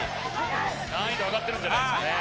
難易度上がってるんじゃないですかね。